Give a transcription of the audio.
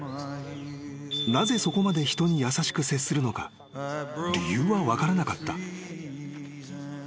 ［なぜそこまで人に優しく接するのか理由は分からなかった］